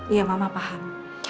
iya mama paham